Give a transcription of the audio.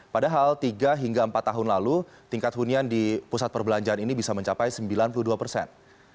padahal tiga hingga empat tahun lalu tingkat hunian di pusat perbelanjaan ini bisa mencapai sembilan puluh dua persen